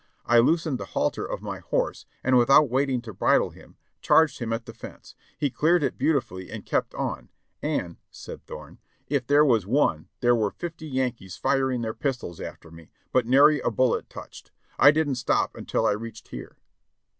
I loosened the halter of my horse, and without waiting to bridle him, charged him at the fence ; he cleared it beautifully and kept on, and," said Thorne, "if there was one, there were fifty Yankees firing their pistols after me, but nary a bullet touched. I didn't stop until I reached here."